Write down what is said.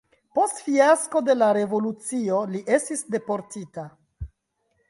Post fiasko de la revolucio li estis deportita.